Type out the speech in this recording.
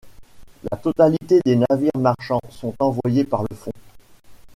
La totalité des navires marchands sont envoyés par le fond.